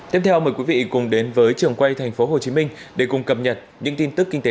tiếp theo mời quý vị cùng đến với trường quay tp hcm để cùng cập nhật những tin tức kinh tế